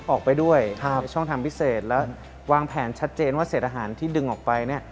ออกไปด้วยในช่องทางพิเศษแล้ววางแผนชัดเจนว่าเศษอาหารที่ดึงออกไปเนี่ย